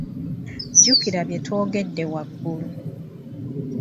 Jjukira bye twogedde waggulu.